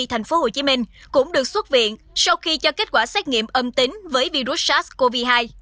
tp hcm cũng được xuất viện sau khi cho kết quả xét nghiệm âm tính với virus sars cov hai